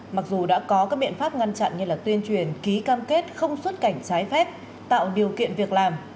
mặc dù đã có các biện pháp ngăn chặn như tuyên truyền ký cam kết không xuất cảnh trái phép tạo điều kiện việc làm